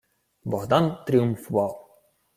Богдан тріумфував: